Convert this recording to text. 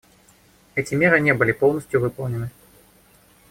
Эти меры не были полностью выполнены.